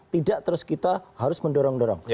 tidak terus kita harus mendorong dorong